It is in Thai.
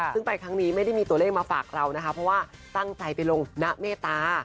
ซึ่งไปครั้งนี้ไม่ได้มีตัวเลขมาฝากเรานะคะเพราะว่าตั้งใจไปลงณเมตตา